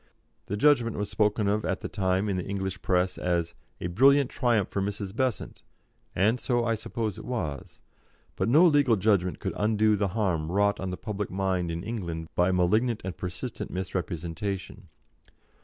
The judgment was spoken of at the time in the English press as a "brilliant triumph for Mrs. Besant," and so I suppose it was; but no legal judgment could undo the harm wrought on the public mind in England by malignant and persistent misrepresentation.